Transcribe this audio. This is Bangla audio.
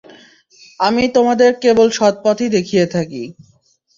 আমি তোমাদের কেবল সৎপথই দেখিয়ে থাকি।